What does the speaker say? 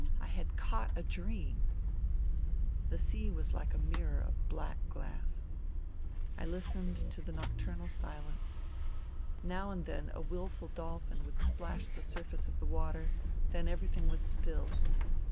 I had caught a dream I ... The sea was like a mirror of black glass. I listened to the nocturnal silence. Now and then a wilful NINA 287 iolphin would splash the surface of the water ; ^hen everything was still.